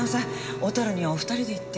小樽にはお２人で行って。